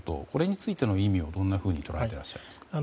これについての意味はどんなふうに捉えていらっしゃいますか？